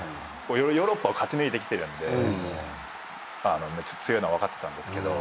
ヨーロッパを勝ち抜いてきてるんでめっちゃ強いのは分かってたんですけど。